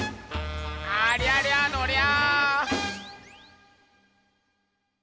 ありゃりゃのりゃ！